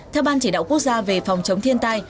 theo ban chỉ đạo quốc gia về phòng chống thiên tai